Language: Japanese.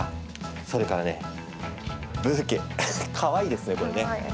それからブーケ、かわいいですね。